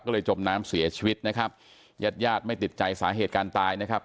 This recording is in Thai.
ก็เลยจมน้ำเสียชีวิตนะครับญาติญาติไม่ติดใจสาเหตุการตายนะครับ